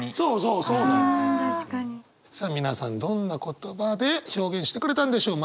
さあ皆さんどんな言葉で表現してくれたんでしょう？